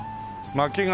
薪が。